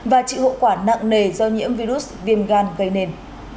và chịu hậu quả nặng nề do nhiễm virus viêm gan gây nên